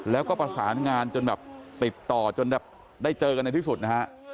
แล้วก็ประสานงานจนแบบติดต่อจนได้เจอกันในที่สุดนะฮะ